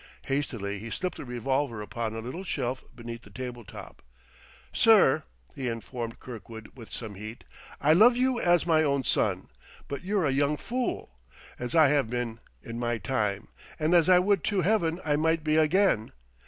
Hastily he slipped the revolver upon a little shelf beneath the table top. "Sir!" he informed Kirkwood with some heat, "I love you as my own son, but you're a young fool!... as I have been, in my time ... and as I would to Heaven I might be again!